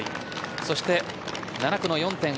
そして７区の４．５